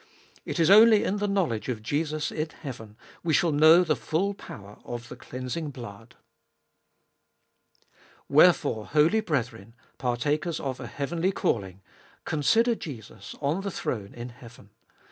It is only in the knowledge of Jesus in heaven we shall know the full power of the cleansing blood. 3. Wherefore, holy brethren, partakers of a heavenly calling, consider Jesus on the throne in heaven!